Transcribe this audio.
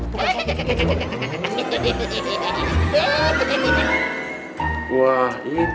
bukan ribet bukan ribet